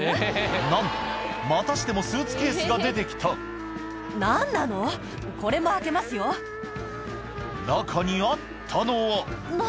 なんとまたしてもスーツケースが出てきた中にあったのは何？